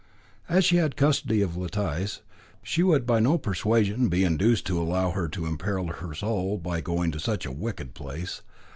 As she had the custody of Letice, she would by no persuasion be induced to allow her to imperil her soul by going to such a wicked place.